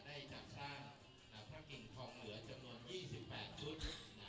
ได้จัดสร้างพระกิ่งทองเหลือจำนวน๒๘ชุด